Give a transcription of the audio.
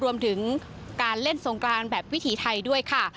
รวมถึงการเล่นสงกรานแบบวิถีไทยด้วยค่ะ